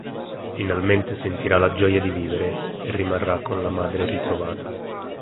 Finalmente sentirà la gioia di vivere e rimarrà con la madre ritrovata.